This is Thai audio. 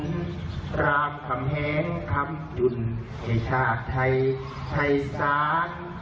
ตรามขำแหงขำจุนในชาติไทยศาล